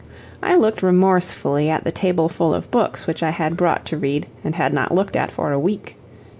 I looked remorsefully at the tableful of books which I had brought to read, and had not looked at for a week.